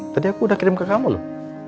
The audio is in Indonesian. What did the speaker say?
tadi aku udah kirim ke kamu loh